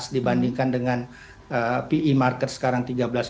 dibandingkan dengan pi market sekarang tiga belas enam